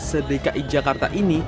sedekai jakarta ini